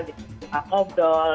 saya suka modol